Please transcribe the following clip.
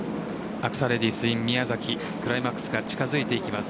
アクサレディスｉｎＭＩＹＡＺＡＫＩクライマックスが近づいていきます。